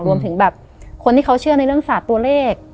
รวมถึงแบบคนที่เขาเชื่อในเรื่องศาสตร์ตัวเลข